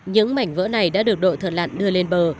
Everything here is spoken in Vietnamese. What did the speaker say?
những mảnh vỡ này đã được đội thợt lạn đưa lên bờ